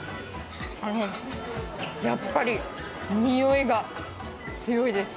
あの、やっぱりにおいが強いです。